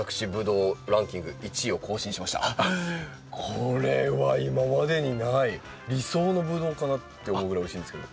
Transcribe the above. これは今までにない理想のブドウかなって思うぐらいおいしいんですけど。